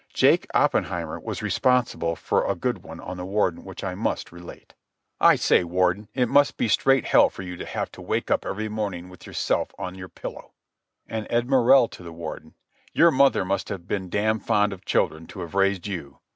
Jake Oppenheimer was responsible for a good one on the Warden which I must relate: "I say, Warden, it must be straight hell for you to have to wake up every morning with yourself on your pillow." And Ed Morrell to the Warden: "Your mother must have been damn fond of children to have raised you."